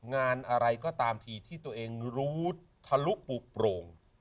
งานอะไรก็ตามทีที่ตัวเองรู้ทะลุปูโปร่ง